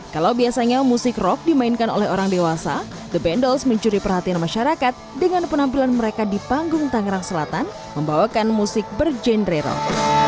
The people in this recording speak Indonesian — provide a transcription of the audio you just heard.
kalau biasanya musik rock dimainkan oleh orang dewasa the bendels mencuri perhatian masyarakat dengan penampilan mereka di panggung tangerang selatan membawakan musik bergenre rock